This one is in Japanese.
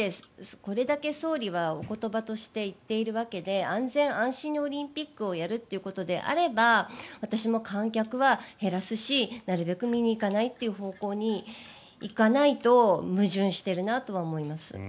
これだけ総理はお言葉として言っているわけで安心安全にオリンピックをやるということであれば私も観客は減らすしなるべく見に行かないという方向にいかないと矛盾しているなとは思います。